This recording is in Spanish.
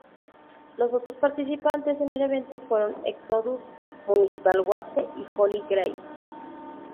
Los otros participantes en el evento fueron Exodus, Municipal Waste y Holy Grail.